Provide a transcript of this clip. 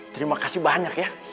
terima kasih banyak ya